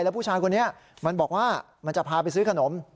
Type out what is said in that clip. แล้วผู้ชายคนนี้มันบอกว่ามันจะพาไปซื้อขนม